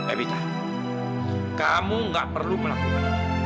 evita kamu enggak perlu melakukan itu